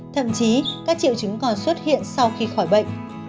thậm chí các triệu chứng còn xuất hiện sau khi khỏi bệnh